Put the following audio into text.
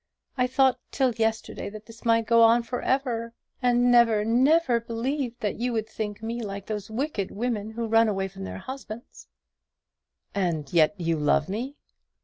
I thought, till yesterday, that this might go on for ever, and never, never believed that you would think me like those wicked women who run away from their husbands." "And yet you love me?"